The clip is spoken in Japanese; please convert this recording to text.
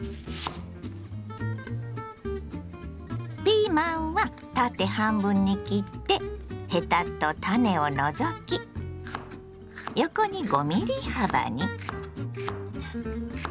ピーマンは縦半分に切ってヘタと種を除き横に５ｍｍ幅に。